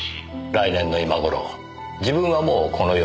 来年の今頃自分はもうこの世にいない。